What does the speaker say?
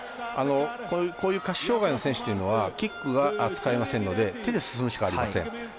こういう下肢障がいの選手というのはキックが使えませんので手で進むしかありません。